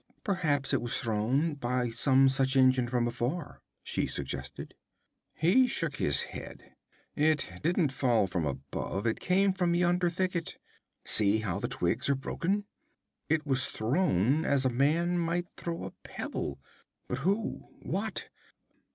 'Perhaps it was thrown by some such engine from afar,' she suggested. He shook his head. 'It didn't fall from above. It came from yonder thicket. See how the twigs are broken? It was thrown as a man might throw a pebble. But who? What?